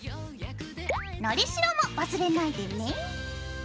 のりしろも忘れないでね。